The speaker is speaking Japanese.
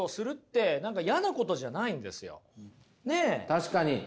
確かに。